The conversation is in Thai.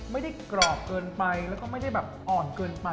ไม่ได้กรอบเกินไปและไม่ได้อ่อนเกินไป